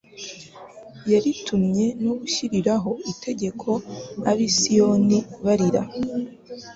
«Yaritumye no gushyiriraho itegeko ab'i Sioni barira »